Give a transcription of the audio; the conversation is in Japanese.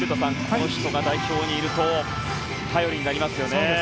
この人が代表にいると頼りになりますよね。